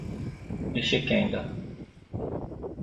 exequenda